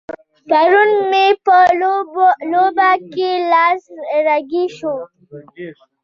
پرون مې په لوبه کې لاس رګی شو.